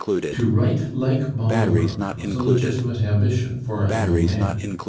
To write like Bolingbroke was a legitimate ambition for a young man.